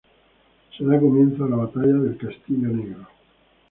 Se da comienzo a la Batalla del Castillo Negro.